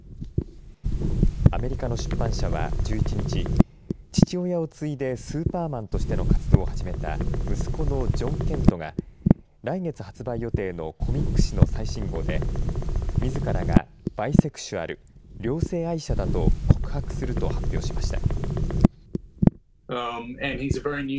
アメリカの出版社は１１日父親を継いでスーパーマンとしての活動を始めた息子のジョン・ケントが来月発売予定のコミック誌の最新号でみずからがバイセクシュアル両性愛者だと告白すると発表しました。